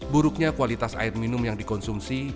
buruknya kualitas air minum yang dikonsumsi